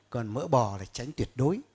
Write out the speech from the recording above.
còn mỡ bò là tránh tuyệt đối